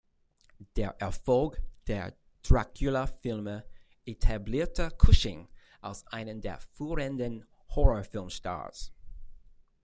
Der Erfolg der Dracula-Filme etablierte Cushing als einen der führenden Horrorfilm-Stars.